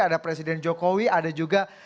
ada presiden jokowi ada juga